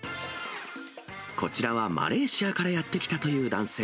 こちらはマレーシアからやって来たという男性。